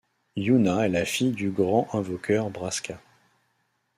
Yuna est la fille du Grand Invokeur Braska.